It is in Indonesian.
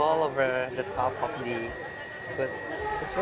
saya berikan di atas semua